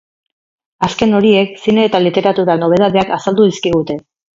Azken horiek zine eta literatura nobedadeak azaldu dizkigute.